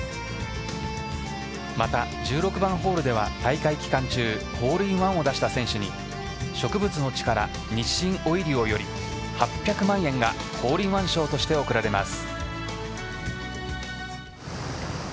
また１６番ホールでは大会期間中ホールインワンを出した選手に植物のチカラ日清オイリオより８００万円がホールインワン賞として贈られます。